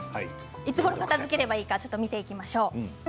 いつごろ片づければいいのか見ていきましょう。